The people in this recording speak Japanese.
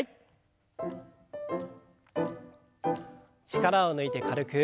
力を抜いて軽く。